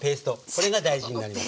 これが大事になります。